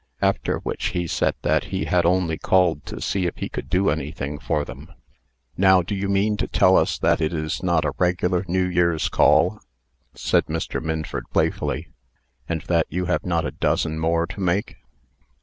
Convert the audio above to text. After which, he said that he had only called to see if he could do anything for them. "Now do you mean to tell us that it is not a regular New Year's call," said Mr. Minford, playfully, "and that you have not a dozen more to make?"